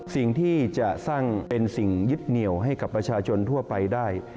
สิ่งที่จะสร้างเป็นสิ่งยึดเหนียวให้กับประชาชนทั่วไปได้